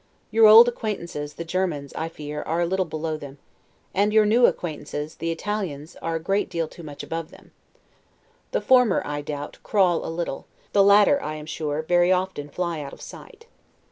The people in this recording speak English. Your old acquaintances, the Germans, I fear, are a little below them; and your new acquaintances, the Italians, are a great deal too much above them. The former, I doubt, crawl a little; the latter, I am sure, very often fly out of sight.